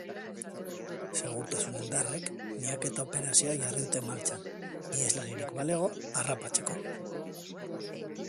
Segurtasun indarrek miaketa operazioa jarri dute martxan, iheslaririk balego, harrapatzeko.